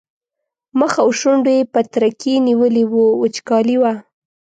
مخ او شونډو یې پترکي نیولي وو وچکالي وه.